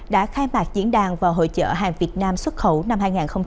đã khai mạc diễn đàn và hội trợ hàng việt nam xuất khẩu năm hai nghìn hai mươi ba